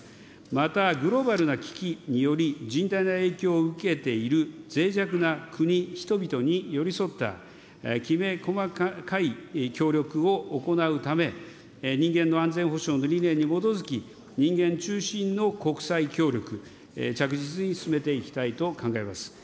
またグローバルな危機により、甚大な影響を受けているぜい弱な国、人々に寄り添ったきめ細かい協力を行うため、人間の安全保障の理念に基づき、人間中心の国際協力、着実に進めていきたいと考えています。